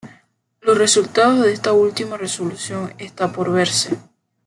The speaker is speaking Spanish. Los resultados de esta última resolución están por verse.